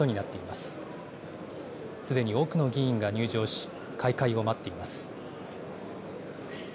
すでに多くの議員が入場し、開会を待っています。